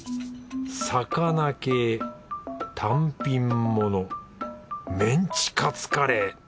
魚系単品ものメンチカツカレー。